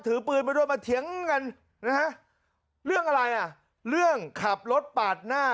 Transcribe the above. ถือปืนมาด้วยมาเถียงกันนะฮะเรื่องอะไรอ่ะเรื่องขับรถปาดหน้า